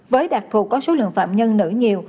với đặc thù có số lượng phạm nhân nữ nhiều